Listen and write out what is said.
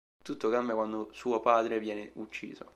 Tutto cambia quando suo padre viene ucciso.